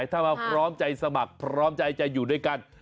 ถ้ามาพร้อมใจสมัครพร้อมใจจะอยู่ด้วยกัน